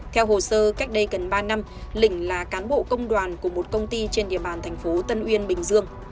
theo hồ sơ cách đây gần ba năm lỉnh là cán bộ công đoàn của một công ty trên địa bàn tp tân uyên bình dương